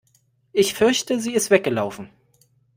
Ich fürchte, sie ist weggelaufen.